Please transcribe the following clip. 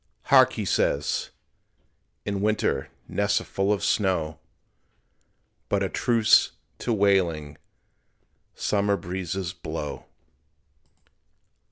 "Hark!" he says, "in winter Nests are full of snow, But a truce to wailing Summer breezes blow."